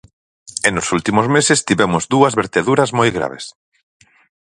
E nos últimos meses tivemos dúas verteduras moi graves.